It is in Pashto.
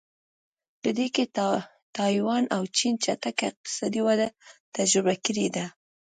په دې کې تایوان او چین چټکه اقتصادي وده تجربه کړې ده.